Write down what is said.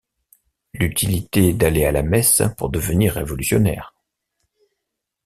L’utilité d’aller à la messe pour devenir révolutionnaire